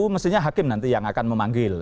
mestinya hakim nanti yang akan memanggil